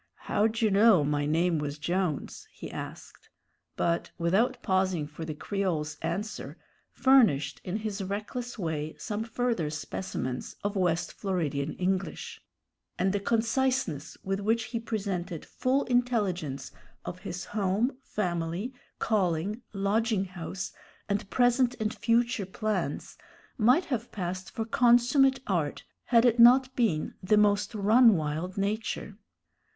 "How d'dyou know my name was Jones?" he asked; but, without pausing for the Creole's answer, furnished in his reckless way some further specimens of West Floridian English; and the conciseness with which he presented full intelligence of his home, family, calling, lodging house, and present and future plans, might have passed for consummate art, had it not been the most run wild nature.